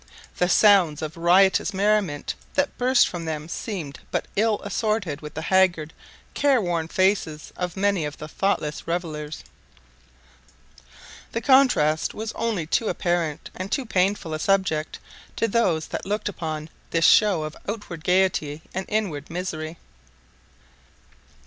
The sounds of riotous merriment that burst from them seemed but ill assorted with the haggard, careworn faces of many of the thoughtless revellers. The contrast was only too apparent and too painful a subject to those that looked upon this show of outward gaiety and inward misery.